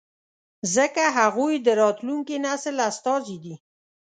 ځکه هغوی د راتلونکي نسل استازي دي.